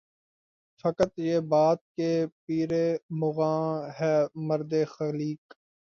فقط یہ بات کہ پیر مغاں ہے مرد خلیق